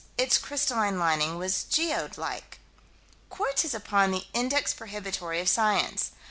Its crystalline lining was geode like. Quartz is upon the "index prohibitory" of Science.